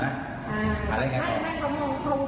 แล้วเขาก็ก็แบบว่าต้องสวยนะ